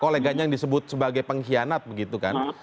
koleganya yang disebut sebagai pengkhianat begitu kan